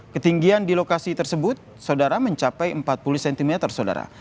ketinggian di lokasi tersebut saudara mencapai empat puluh cm saudara